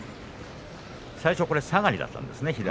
最初、下がりだったんですね。